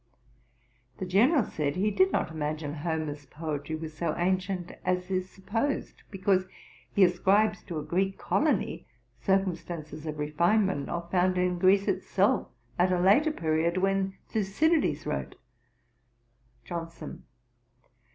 The General said he did not imagine Homer's poetry was so ancient as is supposed, because he ascribes to a Greek colony circumstances of refinement not found in Greece itself at a later period, when Thucydides wrote. JOHNSON.